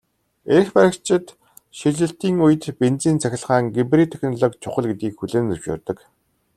Эрх баригчид шилжилтийн үед бензин-цахилгаан гибрид технологи чухал гэдгийг хүлээн зөвшөөрдөг.